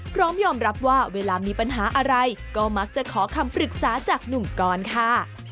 พร้อมยอมรับว่าเวลามีปัญหาอะไรก็มักจะขอคำปรึกษาจากหนุ่มกรค่ะ